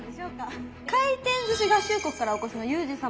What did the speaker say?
回転ずし合衆国からお越しのユージ様。